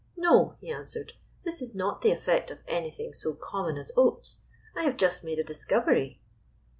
" No," he answered, " this is not the effect of anything so common as oats. I have just made a discovery."